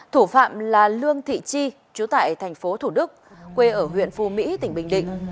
thủ phạm là lương thị chi chú tại thành phố thủ đức quê ở huyện phu mỹ tỉnh bình định